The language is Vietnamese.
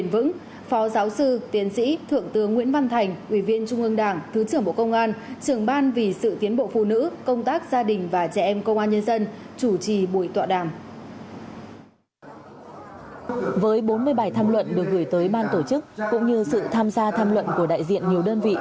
với bốn mươi bài tham luận được gửi tới ban tổ chức cũng như sự tham gia tham luận của đại diện nhiều đơn vị